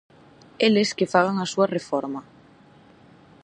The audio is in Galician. Eles que fagan a súa reforma.